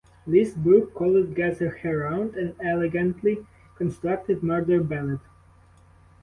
Liz Bourke called "Gather Her Round" an "elegantly constructed murder ballad".